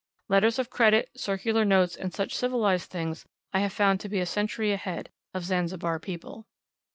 Letters of credit, circular notes, and such civilized things I have found to be a century ahead of Zanzibar people.